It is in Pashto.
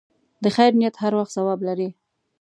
د خیر نیت هر وخت ثواب لري.